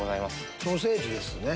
ソーセージですね。